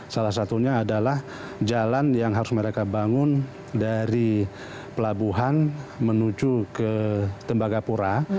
salah satunya adalah jalan yang harus mereka bangun dari pelabuhan menuju ke tembagapura